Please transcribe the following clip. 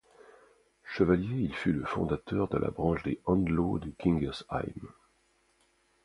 Chevalier, il fut le fondateur de la branche des Andlau de Kingersheim.